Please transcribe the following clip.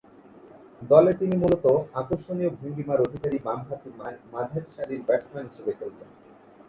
দলে তিনি মূলতঃ আকর্ষণীয় ভঙ্গীমার অধিকারী বামহাতি মাঝারিসারির ব্যাটসম্যান হিসেবে খেলতেন।